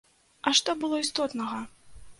А што было істотнага?